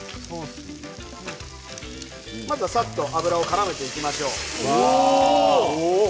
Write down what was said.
まずさっと油をからめていきましょう。